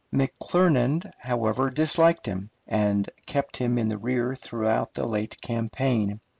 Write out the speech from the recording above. McClernand, however, disliked him, and kept him in the rear throughout the late campaign.